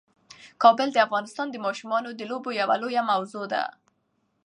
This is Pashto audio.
کابل د افغانستان د ماشومانو د لوبو یوه لویه موضوع ده.